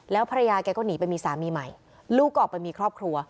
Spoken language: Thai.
แล้วภรรยาแกก็หนีไปมีสามีใหม่ลูกก็ออกไปมีครอบครัว